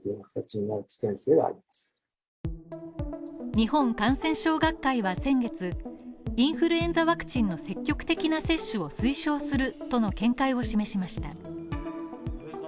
日本感染症学会は先月インフルエンザワクチンの積極的な接種を推奨するとの見解を示しました。